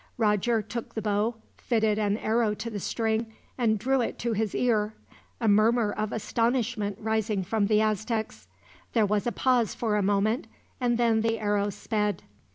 Roger took the bow, fitted an arrow to the string, and drew it to his ear a murmur of astonishment rising from the Aztecs. There was a pause for a moment, and then the arrow sped.